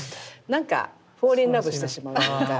なんかフォーリンラブしてしまうというか。